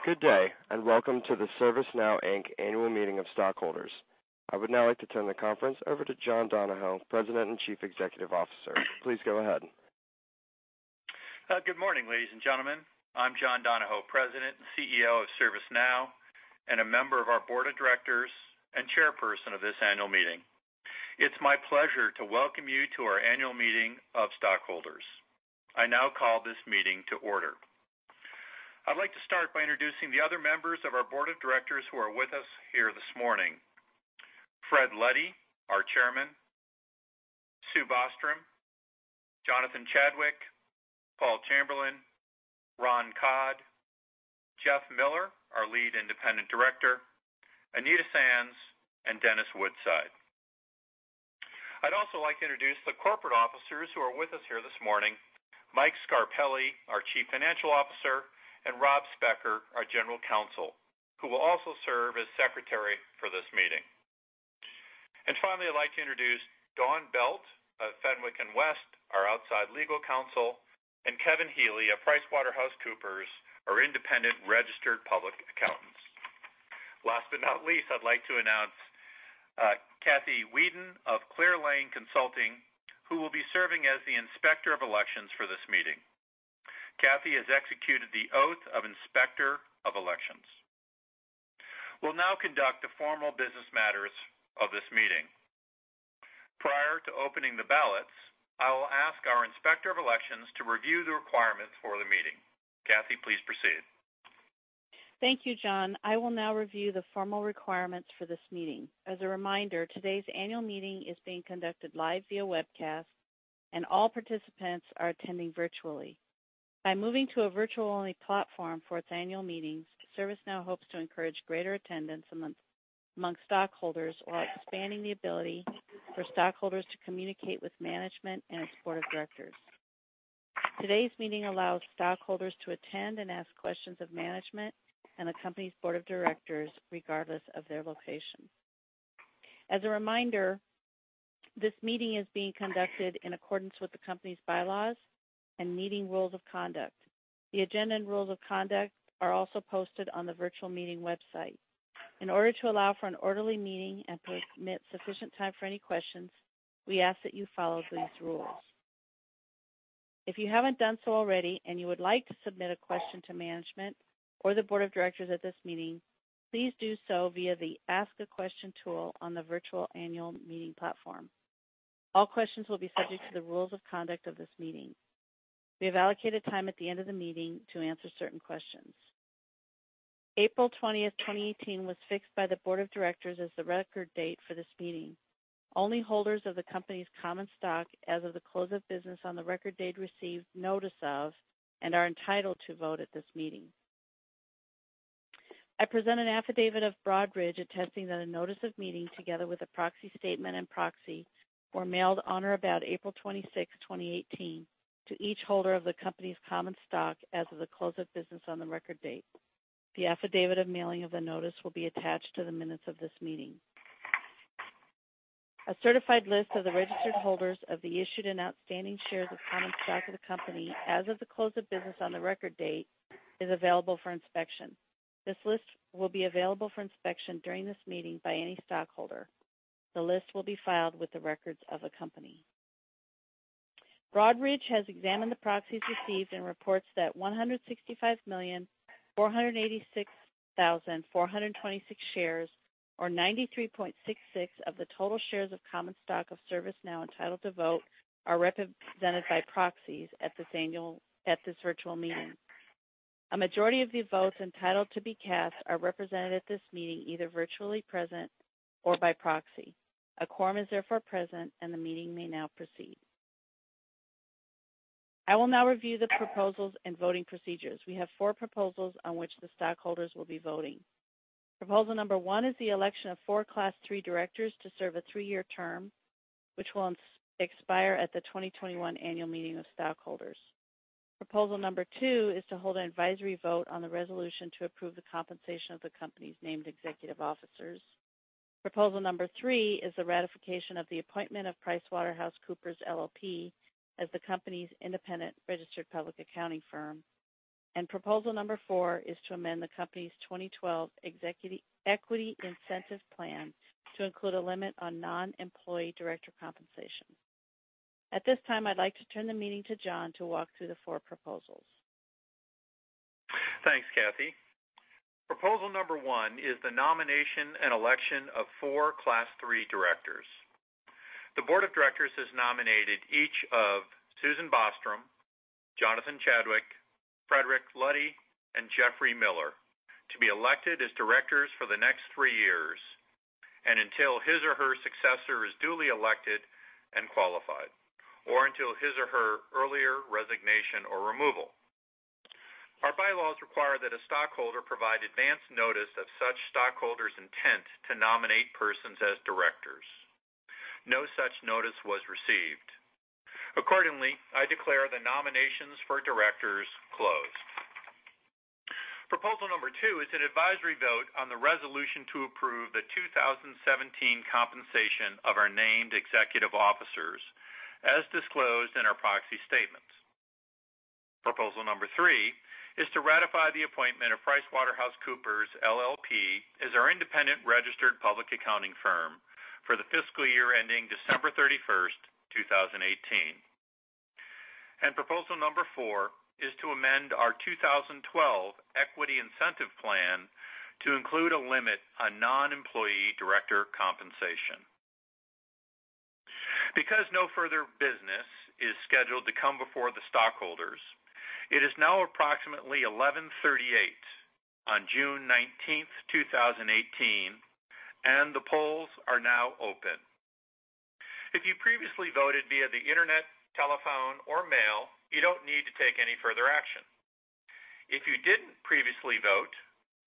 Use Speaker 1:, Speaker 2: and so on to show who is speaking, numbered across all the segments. Speaker 1: Good day, and welcome to the ServiceNow, Inc. Annual Meeting of Stockholders. I would now like to turn the conference over to John Donahoe, President and Chief Executive Officer. Please go ahead.
Speaker 2: Good morning, ladies and gentlemen. I'm John Donahoe, President and CEO of ServiceNow, and a member of our board of directors and chairperson of this annual meeting. It's my pleasure to welcome you to our annual meeting of stockholders. I now call this meeting to order. I'd like to start by introducing the other members of our board of directors who are with us here this morning. Fred Luddy, our Chairman, Susan Bostrom, Jonathan Chadwick, Paul Chamberlain, Ron Codd, Jeffrey Miller, our Lead Independent Director, Anita Sands, and Dennis Woodside. I'd also like to introduce the corporate officers who are with us here this morning. Michael Scarpelli, our Chief Financial Officer, and Russell Elmer, our General Counsel, who will also serve as secretary for this meeting. Finally, I'd like to introduce Dawn Belt of Fenwick & West, our outside legal counsel, and Kevin Healy of PricewaterhouseCoopers, our independent registered public accountants. Last but not least, I'd like to announce Kathleen Weeden of Clear Lane Consulting, who will be serving as the Inspector of Elections for this meeting. Kathy has executed the oath of Inspector of Elections. We'll now conduct the formal business matters of this meeting. Prior to opening the ballots, I will ask our Inspector of Elections to review the requirements for the meeting. Kathy, please proceed.
Speaker 3: Thank you, John. I will now review the formal requirements for this meeting. As a reminder, today's annual meeting is being conducted live via webcast, and all participants are attending virtually. By moving to a virtual-only platform for its annual meetings, ServiceNow hopes to encourage greater attendance amongst stockholders, while expanding the ability for stockholders to communicate with management and its board of directors. Today's meeting allows stockholders to attend and ask questions of management and the company's board of directors regardless of their location. As a reminder, this meeting is being conducted in accordance with the company's bylaws and meeting rules of conduct. The agenda and rules of conduct are also posted on the virtual meeting website. In order to allow for an orderly meeting and permit sufficient time for any questions, we ask that you follow these rules. If you haven't done so already and you would like to submit a question to management or the board of directors at this meeting, please do so via the Ask a Question tool on the virtual annual meeting platform. All questions will be subject to the rules of conduct of this meeting. We have allocated time at the end of the meeting to answer certain questions. April 20th, 2018, was fixed by the board of directors as the record date for this meeting. Only holders of the company's common stock as of the close of business on the record date received notice of and are entitled to vote at this meeting. I present an affidavit of Broadridge attesting that a notice of meeting, together with a proxy statement and proxy, were mailed on or about April 26, 2018, to each holder of the company's common stock as of the close of business on the record date. The affidavit of mailing of the notice will be attached to the minutes of this meeting. A certified list of the registered holders of the issued and outstanding shares of common stock of the company as of the close of business on the record date is available for inspection. This list will be available for inspection during this meeting by any stockholder. The list will be filed with the records of the company. Broadridge has examined the proxies received and reports that 165,486,426 shares, or 93.66% of the total shares of common stock of ServiceNow entitled to vote, are represented by proxies at this virtual meeting. A majority of the votes entitled to be cast are represented at this meeting, either virtually present or by proxy. A quorum is therefore present, and the meeting may now proceed. I will now review the proposals and voting procedures. We have four proposals on which the stockholders will be voting. Proposal number one is the election of four Class III directors to serve a three-year term, which will expire at the 2021 annual meeting of stockholders. Proposal number two is to hold an advisory vote on the resolution to approve the compensation of the company's named executive officers. Proposal number three is the ratification of the appointment of PricewaterhouseCoopers, LLP as the company's independent registered public accounting firm. Proposal number four is to amend the company's 2012 Equity Incentive Plan to include a limit on non-employee director compensation. At this time, I'd like to turn the meeting to John to walk through the four proposals.
Speaker 2: Thanks, Kathy. Proposal number 1 is the nomination and election of 4 Class III directors. The Board of Directors has nominated each of Susan Bostrom, Jonathan Chadwick, Frederic Luddy, and Jeffrey Miller to be elected as directors for the next 3 years and until his or her successor is duly elected and qualified, or until his or her earlier resignation or removal. Our bylaws require that a stockholder provide advance notice of such stockholder's intent to nominate persons as directors. No such notice was received. Accordingly, I declare the nominations for directors closed. Proposal number 2 is an advisory vote on the resolution to approve the 2017 compensation of our named executive officers as disclosed in our proxy statements. Proposal number 3 is to ratify the appointment of PricewaterhouseCoopers LLP as our independent registered public accounting firm for the fiscal year ending December 31st, 2018. Proposal number 4 is to amend our 2012 Equity Incentive Plan to include a limit on non-employee director compensation. Because no further business is scheduled to come before the stockholders, it is now approximately 11:38 A.M. on June 19th, 2018, and the polls are now open. If you previously voted via the internet, telephone, or mail, you don't need to take any further action. If you didn't previously vote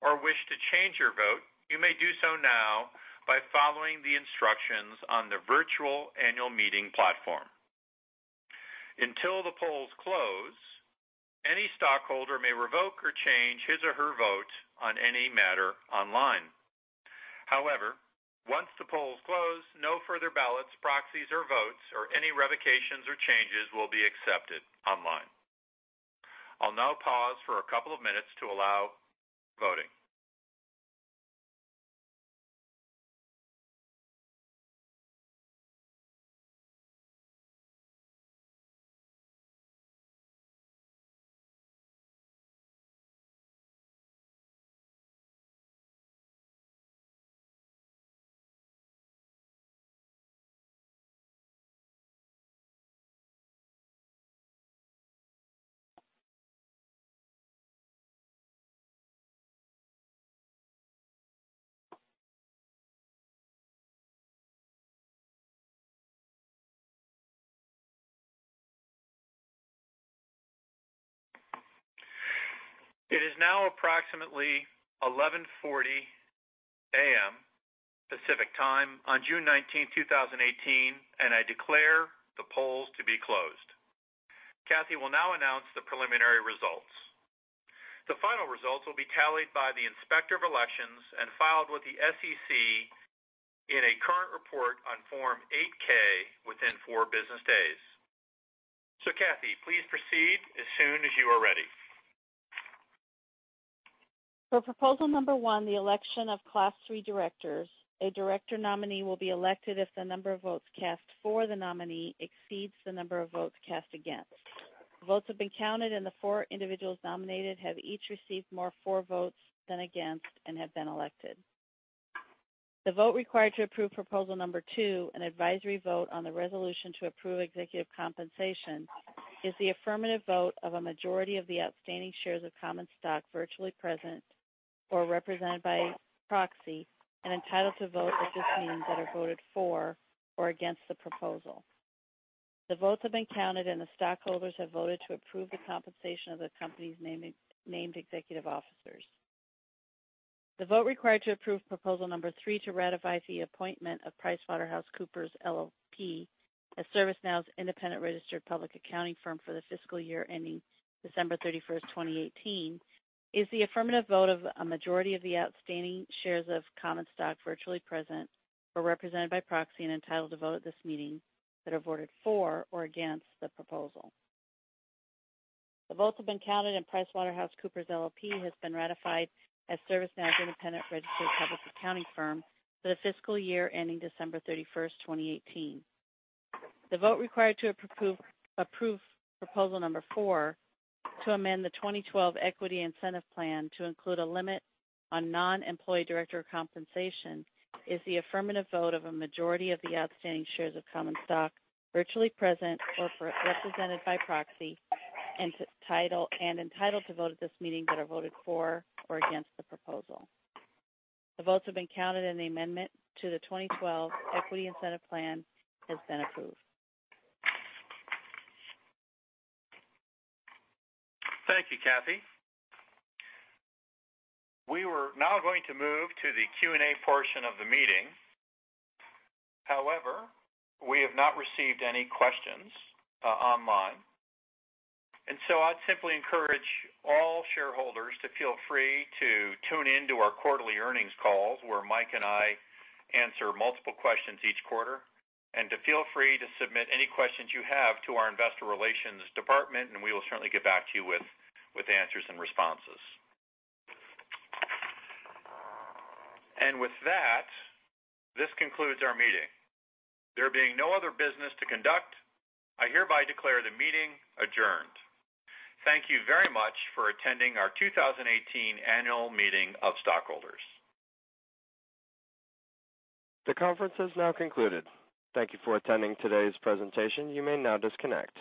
Speaker 2: or wish to change your vote, you may do so now by following the instructions on the virtual annual meeting platform. Until the polls close, any stockholder may revoke or change his or her vote on any matter online. However, once the polls close, no further ballots, proxies, or votes or any revocations or changes will be accepted online. I'll now pause for a couple of minutes to allow voting. It is now approximately 11:40 A.M. Pacific Time on June 19th, 2018, and I declare the polls to be closed. Kathy will now announce the preliminary results. The final results will be tallied by the Inspector of Elections and filed with the SEC in a current report on form 8-K within 4 business days. Kathy, please proceed as soon as you are ready.
Speaker 3: For proposal number 1, the election of Class III directors, a director nominee will be elected if the number of votes cast for the nominee exceeds the number of votes cast against. The votes have been counted, and the 4 individuals nominated have each received more for votes than against and have been elected. The vote required to approve proposal number 2, an advisory vote on the resolution to approve executive compensation, is the affirmative vote of a majority of the outstanding shares of common stock virtually present or represented by proxy and entitled to vote at this meeting that are voted for or against the proposal. The votes have been counted, and the stockholders have voted to approve the compensation of the company's named executive officers. The vote required to approve proposal number three, to ratify the appointment of PricewaterhouseCoopers LLP as ServiceNow's independent registered public accounting firm for the fiscal year ending December 31st, 2018, is the affirmative vote of a majority of the outstanding shares of common stock virtually present or represented by proxy and entitled to vote at this meeting that have voted for or against the proposal. The votes have been counted, and PricewaterhouseCoopers LLP has been ratified as ServiceNow's independent registered public accounting firm for the fiscal year ending December 31st, 2018. The vote required to approve proposal number four, to amend the 2012 Equity Incentive Plan to include a limit on non-employee director compensation, is the affirmative vote of a majority of the outstanding shares of common stock virtually present or represented by proxy, and entitled to vote at this meeting that are voted for or against the proposal. The votes have been counted, the amendment to the 2012 Equity Incentive Plan has been approved.
Speaker 2: Thank you, Kathy. We are now going to move to the Q&A portion of the meeting. However, we have not received any questions online, and so I'd simply encourage all shareholders to feel free to tune in to our quarterly earnings calls, where Mike and I answer multiple questions each quarter, and to feel free to submit any questions you have to our investor relations department, and we will certainly get back to you with answers and responses. With that, this concludes our meeting. There being no other business to conduct, I hereby declare the meeting adjourned. Thank you very much for attending our 2018 annual meeting of stockholders.
Speaker 1: The conference has now concluded. Thank you for attending today's presentation. You may now disconnect.